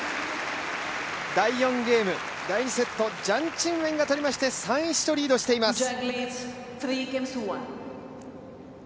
第４ゲーム、第２セットジャン・チンウェンが取りまして３−１としています。